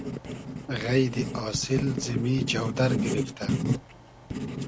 غݷدی آسیل زیمی جۆدئر گیریفتۂ